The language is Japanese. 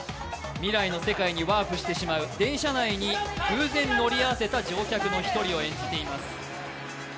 未来の世界にワープしてしまう、電車内に偶然乗り合わせた乗客の１人を演じています。